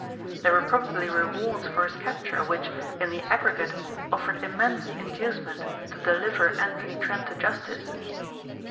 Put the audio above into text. There were probably rewards for his capture which, in the aggregate, offered immense inducement to deliver Anthony Trent to justice.